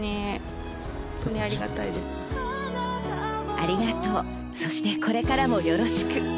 ありがとう、そしてこれからもよろしく。